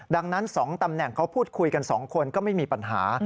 ดังนั้น๒ตำแหน่งเขาพูดคุยกัน๒คนก็ไม่มีปัญหา